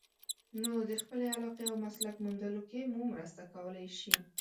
نو د خپلې علاقې او مسلک موندلو کې مو مرسته کولای شي.